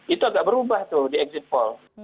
itu agak berubah tuh di exit poll